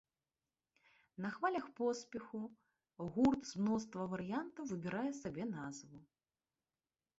На хвалях поспеху гурт з мноства варыянтаў выбірае сабе назву.